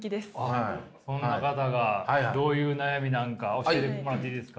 そんな方がどういう悩みなのか教えてもらっていいですか。